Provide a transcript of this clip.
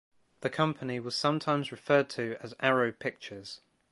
The company was sometimes referred to as Arrow Pictures.